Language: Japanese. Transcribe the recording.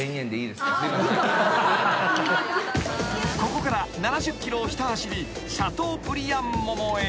［ここから７０ｋｍをひた走りシャトーブリアン桃へ］